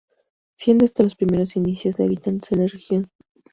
Siendo estos los primeros indicios de habitantes en la región.